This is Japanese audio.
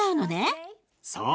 そう。